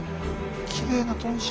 きれいな豚舎。